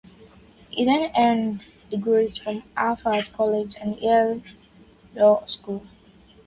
He then earned degrees from Harvard College and Yale Law School.